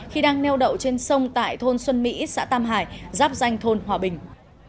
khi đang neo đậu trên sông tại thôn xuân mỹ xã tam hải giáp danh thôn hòa bình